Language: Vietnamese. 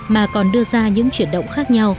mà còn đưa ra những chuyển động